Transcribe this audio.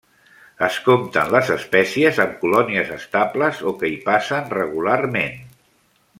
Es compten les espècies amb colònies estables o que hi passen regularment.